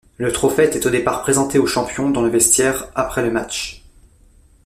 Le trophée était au départ présenté aux champions dans le vestiaire après le match.